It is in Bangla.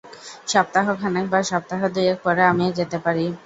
সপ্তাহখানেক বা সপ্তাহ-দুয়েক পরে আমিও যেতে পারি।